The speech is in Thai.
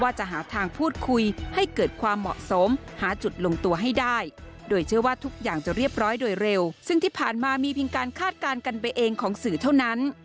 จะหาทางพูดคุยให้เกิดความเหมาะสมหาจุดลงตัวให้ได้โดยเชื่อว่าทุกอย่างจะเรียบร้อยโดยเร็วซึ่งที่ผ่านมามีเพียงการคาดการณ์กันไปเองของสื่อเท่านั้น